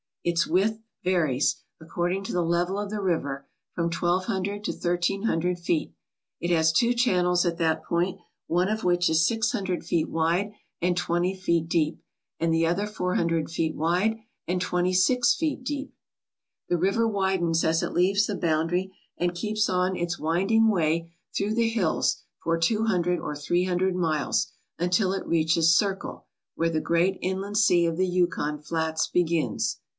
Its width varies, according to the level of the river, from twelve hundred to thirteen hundred feet. It has two channels at that point, one of which is six hundred feet wide and twenty feet deep, and the other four hundred feet wide and twenty six feet deep. 117 ALASKA OUR NORTHERN WONDERLAND The river widens as it leaves the boundary, and keeps on its winding way through the hills for two hundred or three hundred miles, until it reaches Circle, where the great inland sea of the Yukon flats begins.